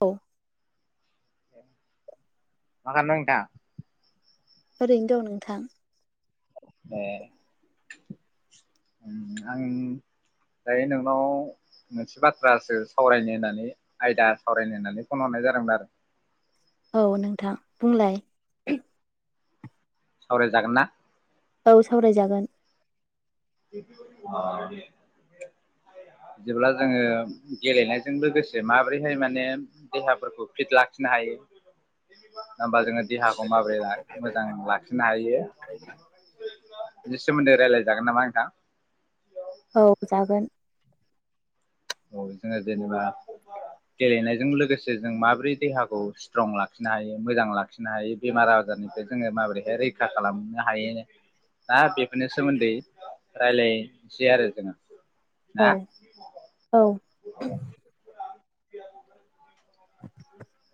औ मा खालामदों नोंथाङा, ओरैनो दं नोंथां, ए आं दायो नोंनाव मोनसे बाथ्रासो सावरायनो होननानै आयदा सावरायनो होननानै फन हरनाय जादोंमोन आरो औ नोंथां बुंलाय सावराय जागोनना? औ सावरायजागोन अ बिदिब्ला जोङो गेलेनायजों लोगोसे माबोरैहाय माने देहाफोरखौ फिट लाखिनो हायो होमबा जोङो देहाखौ माबोरै मोजां लाखिनो हायो बिनि सोमोन्दै रायलायजागोन नामा? दा औ जागोन, औ जोङो जेनेबा गेलेनायजों लोगोसे जों माबोरै देहाखौ स्ट्रं लाखिनो हायो मोजां लाखिनो हायो बेमार आजारनिफ्राय जोङो माबोरैहाय रैखा खालामनो हायो दा बेफोरनि सोमोन्दै रायलायसै आरो जोङो, औ ना औ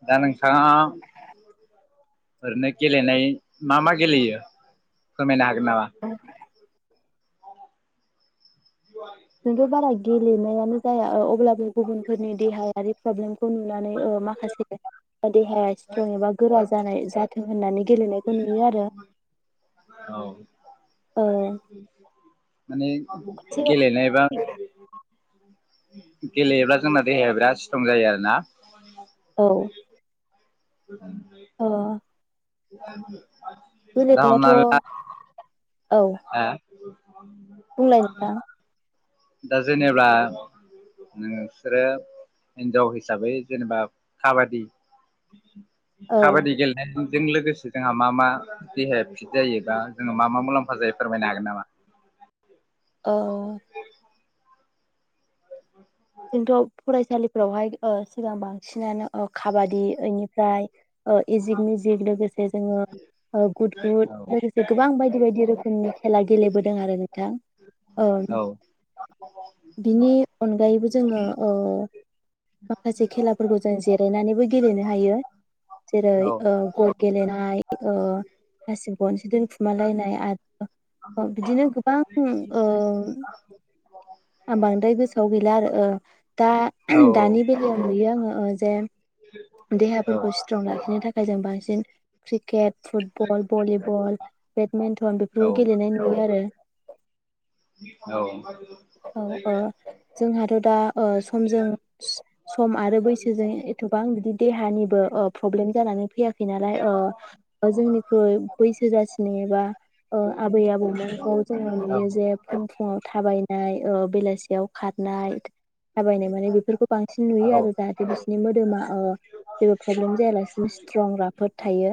दा नोंथाङा ओरैनो गेलेनाय मा मा गेलेयो फोरमायनो हागोन नामा? नोंथ' बाराय गेलेनायानो जाया अब्लाबो गुबुनफोरनि देहायारि प्रब्लेम, खौ नुनानै अ माखासे देहाया इस्ट्रं एबा गोरा जानाय जाथों होननानै गेलेनायखौ नुयो आरो औ औ माने गेलेनायबा, गेलेयोब्ला जोंना देहाया बिराद इस्ट्रं जायो आरोना औ अ बेलेग बाथ' हाआ [inaudible] बुंलाय नोंथां दा जेनेबा नोंसोरो हिनजाव हिसाबै जेनेबा काबादि, औ काबादि गेलेनाय जों लोगोसे जोंहा मा मा देहाया फिट जायोबा जो मा मा मुलाम्फा जायो फोरमायनो हागोन नामा? औ जोंथ' फरायसालिफोरावहाय ओ सिगां ओ बांसिनानो काबादि ओमफ्राय ओ इजिक मिजिक लोगोसे जोङो गुद गुद लोगोसे गोबां बायदि बायदि रोखोमनि खेला गेलेबोदों आरो नोंथां औ बिनि अनगायैबो जङो ओ माखासे खेलाफोरखौ जों औ जिरायनानैबो गेलेनो हायो जेरै औ ओ गद गेलेनाय ओ हासिब गनसे दोनखुमालायनाय आरो ओ बिदिनो गोबां ओ आं बांद्राय गोसोआव गैला आरो ओ दा दानि बेलायाव नुयो आंङो ओ जेन देहाफोरखौ स्ट्रं लाखिनो थाखाय [unintelligible] क्रिकेट फुटबल भलिबल बेडमिन्टन बेफोरखौ गेलेनाय नुयो आरो औ जोंहाथ' दा ओ समजों सम आरो बैसोजों एथबां बिदि देहानिबो ओ प्रब्लेम जानानै फैयाखै नालाय ओ जोंनिख्रुइ बैसो जासिनाय बा औ आबै आबौमोनखौ जोङो औ नुयो जे फुं फुङाव थाबायनाय ओ बेलासियाव खारनाय थाबायनाय माने बेफोरखौ बांसिन औ नुयो आरो जाहाथे बिसिरनि मोदोमा ओ जेबो प्रब्लेम जायालासिनि स्ट्रं राफोद थायो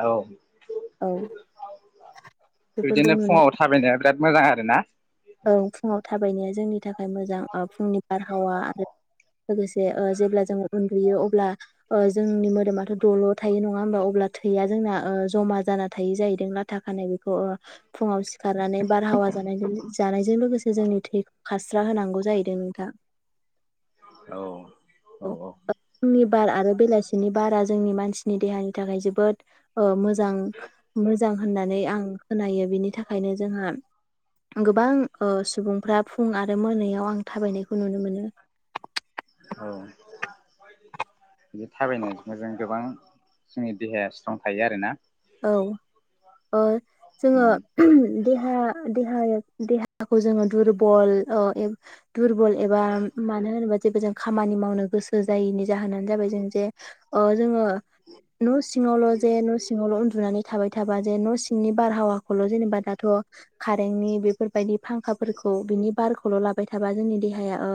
औ औ बेफोरखौ बिदिनो नुनाय फुङाव थाबायनाया बिराद मोजां आरोना औ फुंआव थाबायनाया जोंनि थाखाय मोजां। फुंनि बारहावा आरो लोगोसे जेब्ला जोङो बियो अब्ला जोंनि मोदोमाथ दल थायो नङा होमबा अब्ला थैया जोंना जमा जाना थायो जाहैदों लाथा खानाय बेखौ फुङाव सिखारनानै बारहावा जानायजों जानायजों लोगोसे जोंनि थैखौ खा जा होनांगौ जाहैदों नोंथां। औ औ औ। नि बार आरो बेलासिनि बारा जोंनि मानसिनि देहानि थाखाय जोबोद मोजां मोजां होननानै आं खोनायो बिनि थाखायनो जोंहा गोबां सुबुंफ्रा फुं आरो मोनायाव आं थाबायनायखौ नुनो मोनो। औ बिदि थाबायनायजों जों गोबां जोंनि देहाया स्ट्रं थायो आरोना औ ओ जोङो देहा देहा देहाखौ जोङो दुरबल दुरबल एबा मानो होनोबा जेबो जों खामानि मावनो गोसो जायैनि जाहोनानो जाबाय जों जे जोङो न' सिङाल जे न' सि उन्दुनानै थाबाय थाबा जे न' सिंनि बारहावाखौल' जेनेबा दाथ' खारेनि बेफोरबायदि फांखाफोरखौ बिनि बारखौ खौल लाबाय थाबा जोंनि देहाया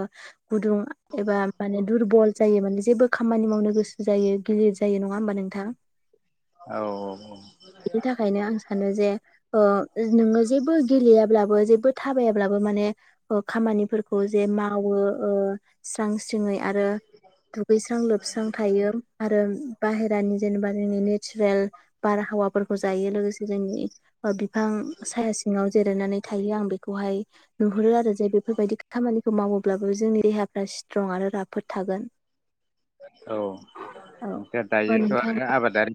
गुदुं एबा माने दुरबल जायो माने जेबो खामानि मावनो गोसो जायो गिलिर जायो नङा होमबा नोंथाङा? औ बिनि थाखायनो आं सानो जे ओ‌ नोङो जेबो गेलेयाब्ला जेबो थाबायाब्लाबो माने खामानिफोरखौ जे मावो। ओ स्रां यै आरो दुगैस्रां लोबस्रां थायो आरो बा दानि जेनेबानि नेचारेल बारहावाफोरखौ जायो लोगोसे जोंनि बिफां साया सिङाव जिरायनानै थायो आं बेखौहाय नुहुरो आरो‌ जे बेफोरबायदि खामानिखौ मावो। अब्लाबो जोंनि देहाफ्रा स्ट्रं आरो राफोद थागोन। औ औ ओ औ दायोथ नोंथां आरो आबादारि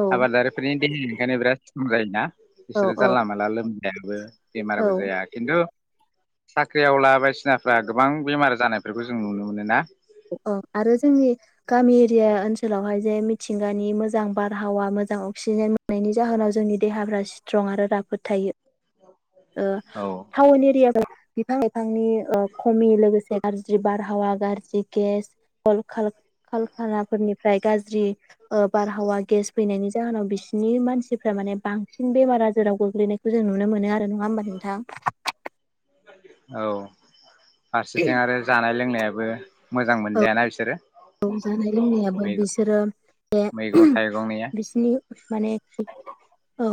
औ आबादारि [unintelligible] बिराद बुंजायो ना‌ औ बिसोरो औ जानला मानला लोमजायाबो औ बेमारबो जाया खिन्थु‌ साख्रिआववला बायदिसिनाफ्रा गोबां बेमार जानायफोरखौ जों नुनो मोनो ना औ आरो जोंनि गामि एरिया ओनसोलावहाय जे मिथिंगानि मोजां बारहावा मोजां अक्सिजेन मोननायनि जाहोनाव जोंनि देहाफ्रा स्ट्रं आरो राफोद थायो। ओ औ टाउन एरिया ब [unintelligible] बिफांनि खमि लोगोसे गारज्रि बारहावा गारजि गेस [unintelligible] फोरनिफ्राय गाज्रि बारहावा गेस फैनायनि जाहोनाव बिसिनि मानसिफ्रा माने बांसिन बेमार आजाराव गोग्लैनायखौ जों नुनो मोनो आरो। नङा होमबा नोंथां? औ फारसेथिं आरो जानाय लोंनाय बो मोजां मोनजायाना बिसोरो जानाय लोंनायाबो मैगं बिसोरो जे मैगं थाइगंनिया बिसिनि माने औ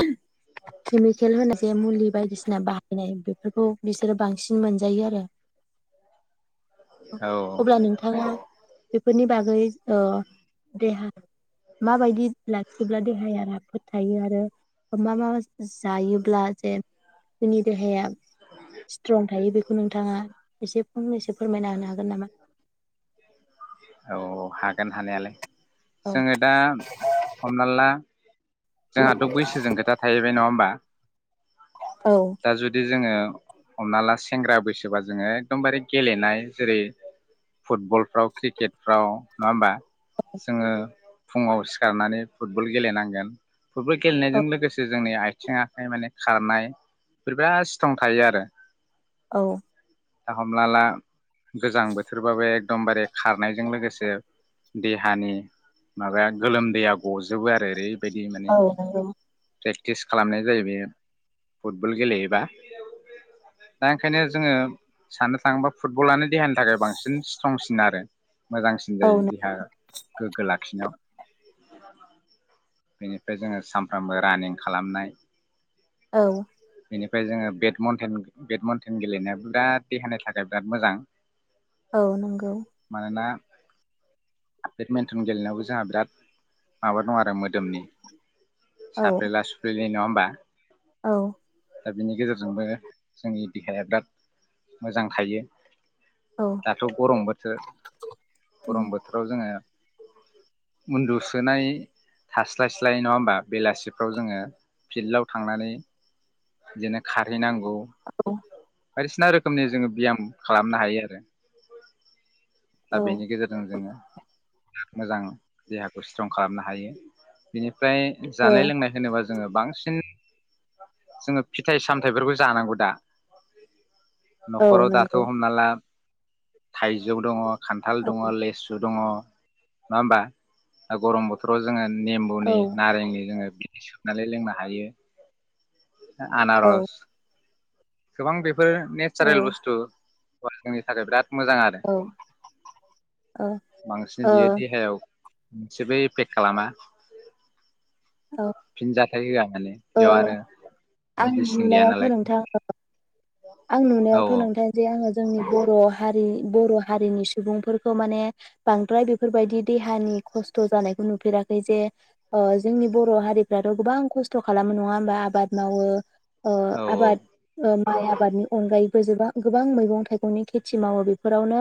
केमिकेल होनाय जे मुलि बायदिसिना बा नाय बेफोरखौ बिसोरो बांसिन मोनजायो आरो औ अब्ला नोंथाङा बेफोरनि बागै अ देहा माबायदि लाखिब्ला देहाया राफोद थायो आरो मा माबा जायोब्ला जे जोंनि देहाया स्ट्रं थायो बेखौ नोंथाङा एसे फंनैसो फोरमायना होनो हागोन नामा? औ हागोन हानायालाय। औ जोङो दा हमना ला जोंहाथ बैसोजों खोथा थाहैबाय नङा होम बा औ दा जुदि जोङो हमना ला सेंग्रा बैसोबा जोङो एखदमबारे गेलेनाय जेरै फुटबलफ्राव क्रिकेटफ्राव नङा होमबा जोङो फुङाव सिखारनानै फुटबल गेलेनांगोन। फुटबल गेलेनायजों लोगोसे जोंनि आइ आथिं आखाइ माने खारनाय बेफोर बिराद स्ट्रं थायो आरो औ दा हमना ला गोजां बोथोरबाबो एकदमबारे खारनायजों लोगोसे देहानि माबाया गोलोमदैया गजोबो आरो ओरै औ नंगौ। प्रेक्टिस खालामनाय जायो बेयो फुटबल गेलेयोबा दा ओंखायनो जोङो साननो थाङोबा फुटबलआनो देहानि थाखाय बांसिन स्ट्रंसिन आरो। मोजांसिन जायो देहा गोग्गो लाखिनायाव। बेनिफ्राय जोङो सानफ्रामबो रानिं खालामनाय औ ओमफ्राय जोङो बेडमन्टेन बेडमन्टेन गेलेनायाबो बिराद देहानि थाखाय बिराद मोजां। औ नंगौ। बेडमेन्टन गेलेनायावबो जोंहा बिराद माबा दं आरो मोदोमनि औ साफ्रेला सुफ्रेलि नङा बा औ दा बिनि गेजेरजोंबो जोंनि देहाया बिराद मोजां थायो। दाथ' गरम बोथोर गरम बोथोराव जोङो उन्दुसोनाय थास्लायस्लाय नङा होमबा बेलासिफ्राव जोङो फिल्डाव थांनानै बिदिनो खारहैनांगौ बायदिसिना रोखोमनि जोङो ब्याम खालामनो हायो आरो। दा औ बेनि गेजेरजों जोङो मोजां देहाखौ स्ट्रं खालामनो हायो बेनि फ्राय जानाय ओ लोंनाय होनोबा जोङो बांसिन जोङो फिथाइ सामथाइफोरखौ जानांगौ दा। औ न'खराव दाथ' नंगौ हमना ला थाइजौ दङ खान्थाल औ दङ, लेसु दङ। नङा होमबा? ओ गरम बोथोराव जोङो औ नेम्बुनि नारेंनि लोङो सुनानै लोंनो हायो। ओ औ आनारस गोबां बेफ फोर औ नेचारेल बुस्थु अ जोंनि थाखाय बिराद मोजां आरो ओ बांसिन बियो ओ देहायाव जेबो इफेक खालामा। फिनजाथाइ होआ माने बेयाव ओ आरो आंनि मेडिसिन गैया नुनायावथ' नालाय। नोंथां आं औ नुनायावथ' नोंथां जे आङो जोंनि बर' हारि बर' हारिनि सुबुंफोरखौ माने बांद्राय बेफोरबायदि देहानि खस्थ' जानायखौ नुफेराखै जे ओ जोंनि बर' हारिफ्राथ' गोबां खस्थ' खालामो नङा होमबा आबाद मावो ओ औ आबाद ओ माइ आ अनगायैबो जोबा गोबां मैगं थाइगंनि खेथि मावो बेफोरावनो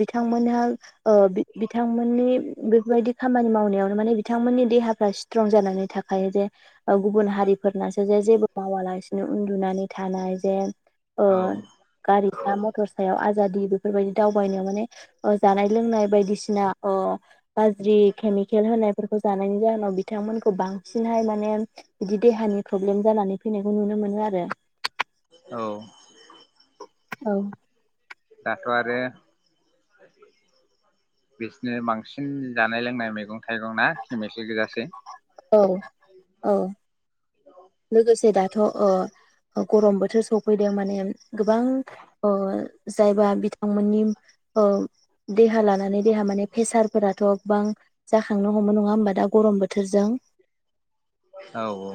बिथांमोनहा ओ बि-बिथांमोननि बेफोरबायदि खामानि मावनायावनो माने बिथांमोननि देहाफ्रा स्ट्रं जानानै थाखायो जे ओ गुबुन हारिफोरनासो जे जेबो मावालासिनो उन्दुनानै थानाय जे अ औ गारि बा मथर सायाव आजादि बेफोरबायदि दावबायनायाव माने ओ जानाय लोंनाय बायदिसिना ओ गाज्रि केमिकेल होनायफोरखौ जानायनि जाहोनाव बिथांमोनखौ बांसिनहाय माने बिदि देहानि प्रब्लेम जानानै फैनायखौ नुनो मोनो आरो। औ औ दाथ आरो बिसिनो बांसिन जानाय लोंनाय मैगं थाइगं ना केमिकेल गोजासै औ औ लोगोसे दाथ ओ गरम बोथोर सफैदों माने गोबां ओ जायबा बिथांमोननि ओ देहा लानानै देहा माने फेसार फोराथ गोबां जाखांनो हमो नङा होमबा दा गरम बोथोरजों औ औ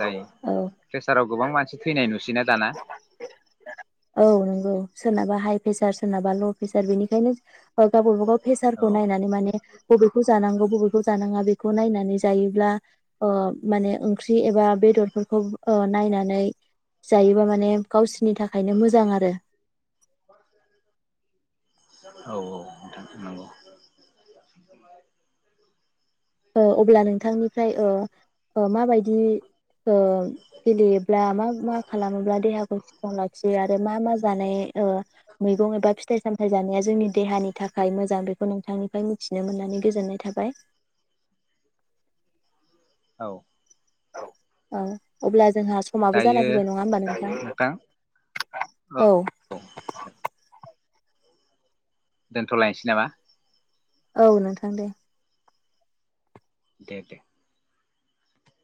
जायो औ प्रेसाराव गोबां मानसि थैनाय नुसैना दाना औ नंगौ सोरनाबा हाइ पे सार सोरनाबा ल पेसार बेनिखायनो गाव-गावबा गाव औ पेसारखौ नायनानै माने बबेखौ जानांगौ बबेखौ जानाङा बे खौ नायनानै जायोब्ला ओ माने ओंख्रि एबा बेदरफोरखौ ओ नायनानै जायोबा माने गावसि नि थाखायनो मोजां आरो औ औ नोंथां नंगौ ओ अब्ला नोंथांनिफ्राय ओ ओ माबायदि ओ गेलेयोब्ला मा मा खालामोब्ला देहाखौ स्थ्रं लाखियो आरो मा मा जानाय ओ मैगं एबा फिथाइ सामथाइ जानाया जोंनि देहानि थाखाय मोजां बेखौ नोंथांनिफ्राय मिथिनो मोननानै गोजोननाय थाबाय औ औ अब्ला ज जोंहा समाबो जाना दायो फैबाय नङा होमबा नोंथां औ दोनथलायनोसै नामा औ नोंथां दे दे दे